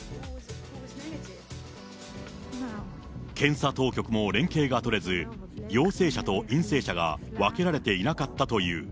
検査当局も連携が取れず、陽性者と陰性者が分けられていなかったという。